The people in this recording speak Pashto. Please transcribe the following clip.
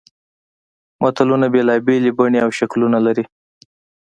متلونه بېلابېلې بڼې او شکلونه لري